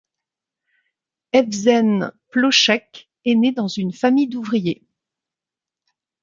Evžen Plocek est né dans une famille d'ouvrier.